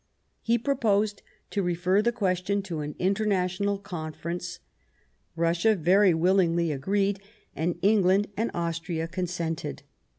He proposed to refer the question to an Inter national Conference ; Russia very willingly agreed, and England and Austria consented.